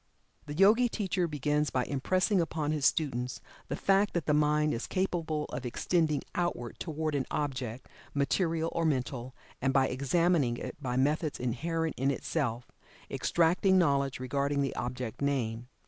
The Yogi teacher begins by impressing upon his students the fact that the mind is capable of extending outward toward an object, material or mental, and by examining it by methods inherent in itself, extracting knowledge regarding the object named.